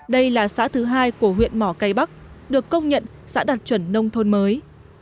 đây là xã thứ hai của huyện mỏ cây bắc được công nhận xã đạt chuẩn nông thôn mới